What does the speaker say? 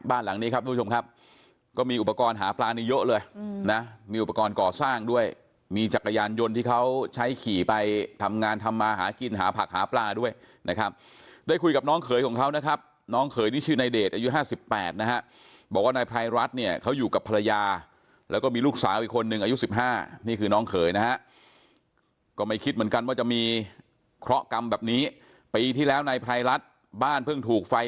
บ้านหลังนี้ครับทุกผู้ชมครับก็มีอุปกรณ์หาปลานี่เยอะเลยนะมีอุปกรณ์ก่อสร้างด้วยมีจักรยานยนต์ที่เขาใช้ขี่ไปทำงานทำมาหากินหาผักหาปลาด้วยนะครับได้คุยกับน้องเขยของเขานะครับน้องเขยนี่ชื่อนายเดชอายุห้าสิบแปดนะฮะบอกว่านายพลายรัฐเนี่ยเขาอยู่กับภรรยาแล้วก็มีลูกสาวอีกคนนึงอายุสิบห้านี่คือน้